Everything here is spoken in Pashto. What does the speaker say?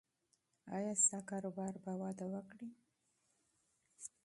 ایا ستا کاروبار به وده وکړي؟